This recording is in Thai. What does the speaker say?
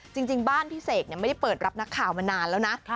จริงบ้านพี่เสกไม่ได้เปิดรับนักข่าวมานานแล้วนะ